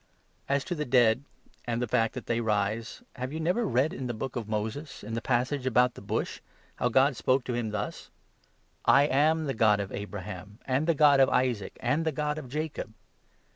As to the dead, 26 and the fact that they rise, have you never read in the Book of Moses, in the passage about the Bush, how God spoke to him thus — i ' I am the God of Abraham, and the God of Isaac, and the God of Jacob